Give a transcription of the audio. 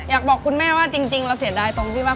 อยากบอกคุณแม่ว่าจริงเราเสียดายตรงที่ว่า